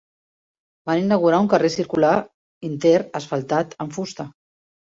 Van inaugurar un carrer circular intern asfaltat amb fusta.